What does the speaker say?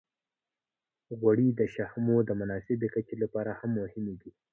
غوړې د شحمو د مناسبې کچې لپاره هم مهمې دي.